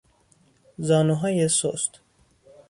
زانوهای سست